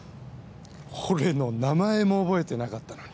俺の名前も覚えてなかったのに。